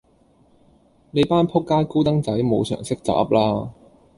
你班仆街高登仔無常識就噏啦